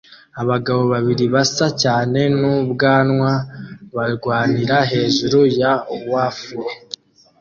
Abagabo babiri basa cyane n'ubwanwa barwanira hejuru ya wafle